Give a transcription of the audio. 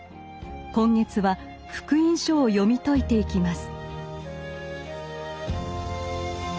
今月は「福音書」を読み解いていきます。